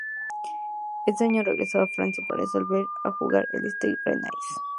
Ese año regresó a Francia para volver a jugar en el Stade Rennais.